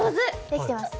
できてます。